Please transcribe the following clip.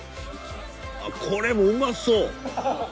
これもうまそう！